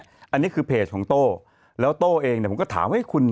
อันนี้คือเพจของโต้แล้วโต้เองเนี่ยผมก็ถามว่าคุณ